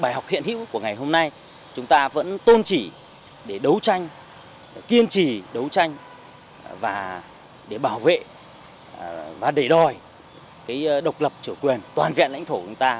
trong bài học hiện hữu của ngày hôm nay chúng ta vẫn tôn chỉ để đấu tranh kiên trì đấu tranh và để bảo vệ và để đòi độc lập chủ quyền toàn vẹn lãnh thổ của chúng ta